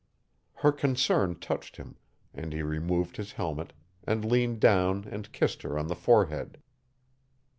Her concern touched him, and he removed his helmet and leaned down and kissed her on the forehead.